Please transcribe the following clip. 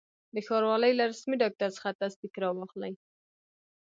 د ښاروالي له رسمي ډاکټر څخه تصدیق را واخلئ.